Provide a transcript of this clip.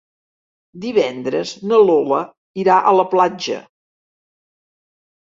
Divendres na Lola irà a la platja.